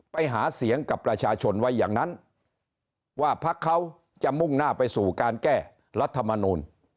ไปหาเสียงกับประชาชนไว้อย่างนั้นว่าพักเขาจะมุ่งหน้าไปสู่การแก้รัฐมนูล